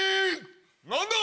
何だ？